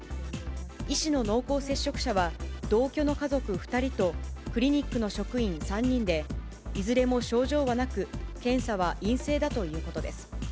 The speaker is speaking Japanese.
医師の濃厚接触者は、同居の家族２人と、クリニックの職員３人で、いずれも症状はなく、検査は陰性だということです。